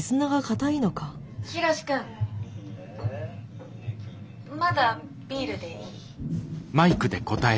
「ヒロシ君まだビールでいい？」。